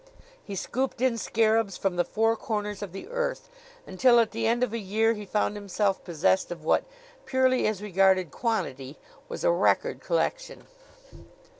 He scooped in scarabs from the four corners of the earth, until at the end of a year he found himself possessed of what, purely as regarded quantity, was a record collection.